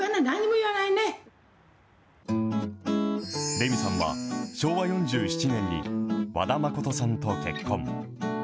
レミさんは、昭和４７年に和田誠さんと結婚。